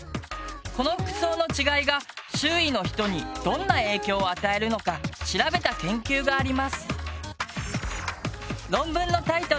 この服装の違いが周囲の人にどんな影響を与えるのか調べた研究があります。